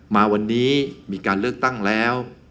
มาวันนี้มีการเลือกตั้งแล้ว